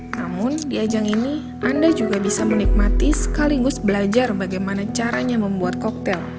namun di ajang ini anda juga bisa menikmati sekaligus belajar bagaimana caranya membuat koktel